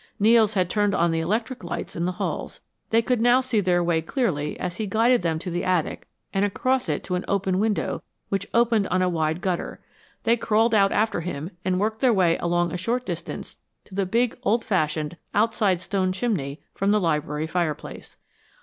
Nels had turned on the electric lights in the halls. They could now see their way clearly as he guided them to the attic and across it to an open window which opened on a wide gutter. They crawled out after him and worked their way along a short distance to the big, old fashioned, outside stone chimney from the library fireplace.